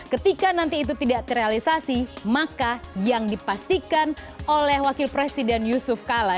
ketika nanti itu tidak terrealisasi maka yang dipastikan oleh wakil presiden yusuf kala